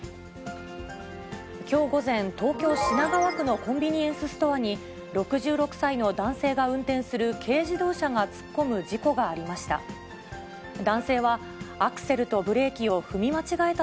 きょう午前、東京・品川区のコンビニエンスストアに、６６歳の男性が運転する軽自動車が突っ込む事故がありました。